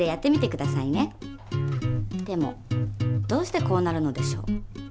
でもどうしてこうなるのでしょう？